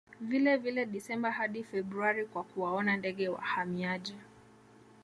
Vilevile Desemba hadi Februari kwa kuwaona ndege wahamiaji